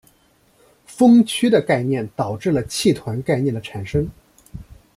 锋区的概念导致了气团概念的产生。